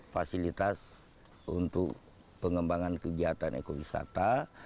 fasilitas untuk pengembangan kegiatan ekowisata